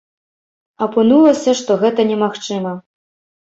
Апынулася, што гэта немагчыма.